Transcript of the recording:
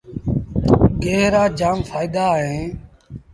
گيه رآ جآم ڦآئيدآ اوهيݩ۔